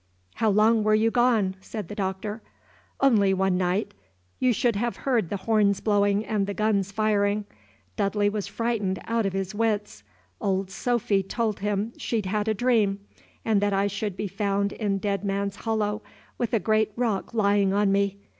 "How long were you gone?" said the Doctor. "Only one night. You should have heard the horns blowing and the guns firing. Dudley was frightened out of his wits. Old Sophy told him she'd had a dream, and that I should be found in Dead Man's Hollow, with a great rock lying on me.